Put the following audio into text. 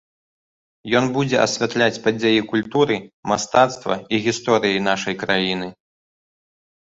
Ён будзе асвятляць падзеі культуры, мастацтва і гісторыі нашай краіны.